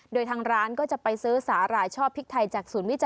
โดยทางร้านก็จะไปซื้อสาหร่ายชอบพริกไทยจากศูนย์วิจัย